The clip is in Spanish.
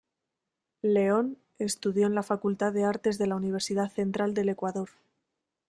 León estudió en la Facultad de Artes de la Universidad Central del Ecuador.